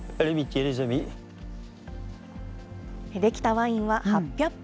出来たワインは８００本。